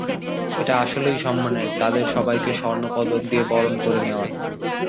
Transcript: এটা আসলেই সম্মানের, তাদের সবাইকে স্বর্ণপদক দিয়ে বরণ করে নেওয়ার।